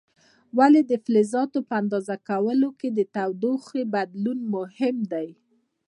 ولې د فلزاتو په اندازه کولو کې د تودوخې بدلون مهم دی؟